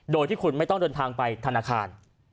โดยที่คุณไม่ต้องเดินทางไปธนาคาร